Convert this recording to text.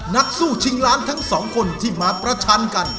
นักสู้ชิงล้านทั้งสองคนที่มาประชันกัน